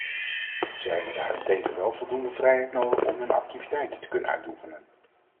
Zij hebben daarentegen wel voldoende vrijheid nodig om hun activiteit te kunnen uitoefenen.